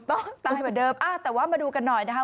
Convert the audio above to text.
ตายเหมือนเดิมแต่ว่ามาดูกันหน่อยนะคะ